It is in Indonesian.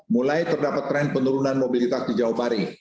mulai terdapat tren penurunan mobilitas di jawa bali